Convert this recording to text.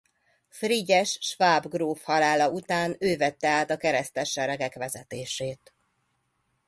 Frigyes sváb gróf halála után ő vette át a keresztes seregek vezetését.